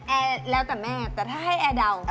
แอร์แล้วแต่แม่แต่ถ้าให้แอร์เดา